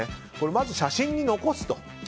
まず写真に残すと。